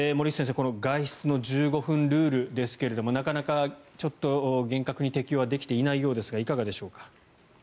この外出の１５分ルールですがなかなか、ちょっと厳格に適用できていないようですがいかがでしょうか？